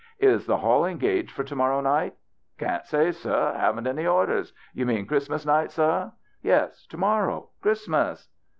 "Is the hall engaged for to morrow night ?"" Can't say, seh. Haven't any orders. You mean Christmas night, seh ?"" Yes, to morrow, Christmas."